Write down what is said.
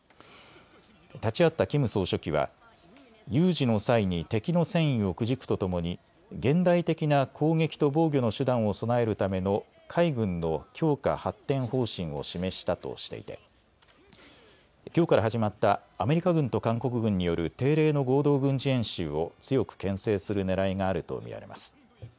立ち会ったキム総書記は有事の際に敵の戦意をくじくとともに現代的な攻撃と防御の手段を備えるための海軍の強化・発展方針を示したとしていてきょうから始まったアメリカ軍と韓国軍による定例の合同軍事演習を強くけん制するねらいがあると見られます。